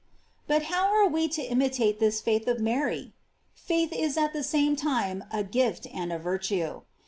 But how are we to imitate this faith of Mary? Faith is at the same time a gift and a virtue.